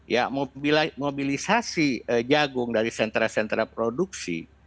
ya mobilisasi jagung dari sentra sentra produksi